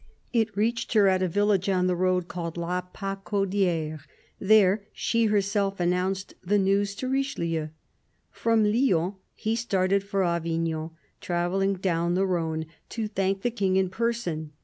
It reached her at a village on the road called La Pacaudifere ; there, she herself announced the news to Richelieu. From Lyons he started for Avignon, travelling down the RhOne, to thank the King in person.